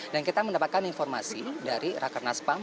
dan kita mendapatkan informasi dari rakanaspam